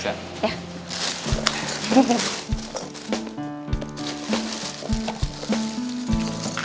lagi kan tadi tuh sekali lewat